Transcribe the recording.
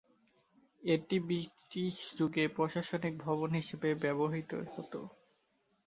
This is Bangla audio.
এটি ব্রিটিশ যুগে প্রশাসনিক ভবন হিসাবে ব্যবহৃত হত।